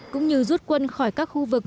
cũng như rút quân khỏi các khu vực